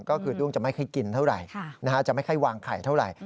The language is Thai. ก็คือดุ้งจะไม่ค่อยกินเท่าไหร่จะไม่ค่อยวางไข่เท่าไหร่